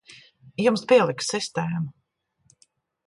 Jums pieliks sistēmu.